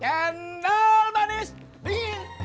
cendol manis dingin